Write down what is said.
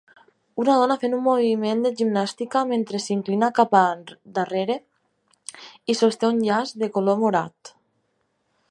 Una dona fent un moviment de gimnàstica mentre s'inclina cap a darrere i sosté un llaç de color morat.